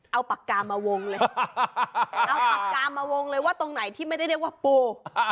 เอาปากกามาวงเลยเอาปากกามาวงเลยว่าตรงไหนที่ไม่ได้เรียกว่าปู